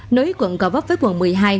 nối quận gò vấp với quận một mươi hai